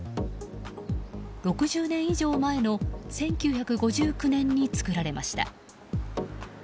６０年以上前の１９５９年に造られました。